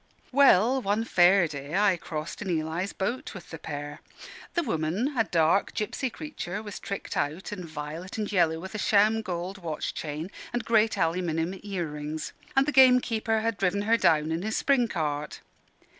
Well, one Fair day I crossed in Eli's boat with the pair. The woman a dark gipsy creature was tricked out in violet and yellow, with a sham gold watch chain and great aluminium earrings: and the gamekeeper had driven her down in his spring cart.